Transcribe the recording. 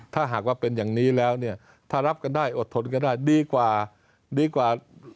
ถ้าหากว่าเป็นอย่างนี้แล้วเนี่ยถ้ารับกันได้อดทนกันได้ดีกว่าดีกว่า